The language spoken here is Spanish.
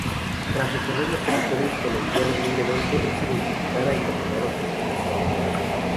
Tras recorrer los territorios colombianos libremente, es identificada y capturada por sus perseguidores.